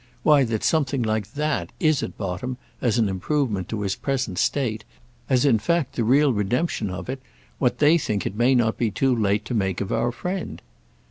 Why that something like that is at bottom, as an improvement to his present state, as in fact the real redemption of it, what they think it may not be too late to make of our friend."